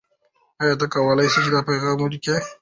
آیا ته کولای سې چې دا پیغام ولیکې؟